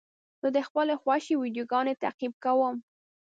زه د خپلو خوښې ویډیوګانو تعقیب کوم.